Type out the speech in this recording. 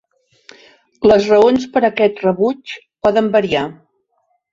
Les raons per aquest rebuig poden variar.